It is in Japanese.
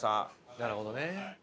なるほどね。